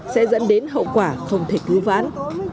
sẽ dẫn đến hậu quả không thể cứu ván